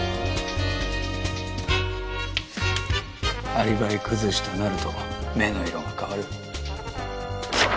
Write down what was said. アリバイ崩しとなると目の色が変わる。